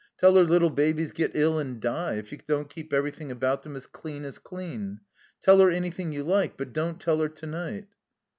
Tell her little babies get ill and die if you don't keep every thing about them as clean as clean. Tell her any thing you like. But don't tell her to night."